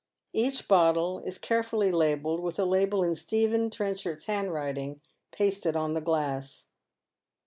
Each bottle is carefully labelled with a label in Stephen Tren chard's handwriting pasted on the glass.